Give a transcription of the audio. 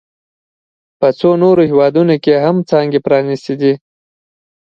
په څو نورو هېوادونو کې هم څانګې پرانیستي دي